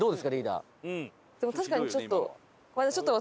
でも確かにちょっと。